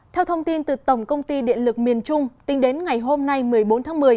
theo thông tin từ tổng công ty điện lực miền trung tính đến ngày hôm nay một mươi bốn tháng một mươi